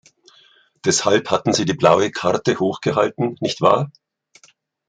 Deshalb hatten Sie die blaue Karte hochgehalten, nicht wahr?